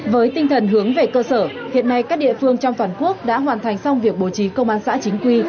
với tinh thần hướng về cơ sở hiện nay các địa phương trong toàn quốc đã hoàn thành xong việc bố trí công an xã chính quy